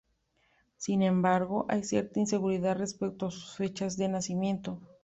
Sin embargo, hay cierta inseguridad respecto a sus fechas de nacimiento.